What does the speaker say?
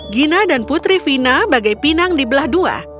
gina dan putri vina bagai pinang di belah dua